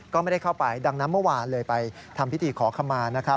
ก็ไม่ได้เข้าไปดังนั้นเมื่อวานเลยไปทำพิธีขอขมานะครับ